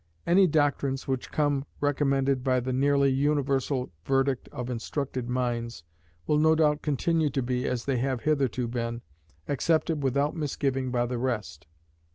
Any doctrines which come recommended by the nearly universal verdict of instructed minds will no doubt continue to be, as they have hitherto been, accepted without misgiving by the rest.